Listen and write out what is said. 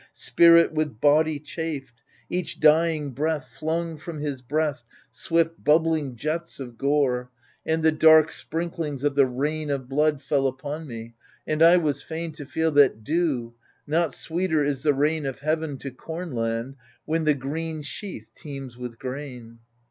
Spirit with body chafed ; each dying breath AGAMEMNON 65 Flung from his breast swift bubbling jets of gore, And the dark sprinklings of the rain of blood Fell upon me ; and I was fain to feel That dew — ^not sweeter is the rain of heaven To comland, when the green sheath teems with grain.